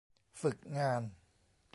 ฝึกงาน